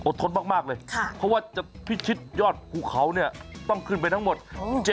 ทนมากเลยเพราะว่าจะพิชิตยอดภูเขาเนี่ยต้องขึ้นไปทั้งหมด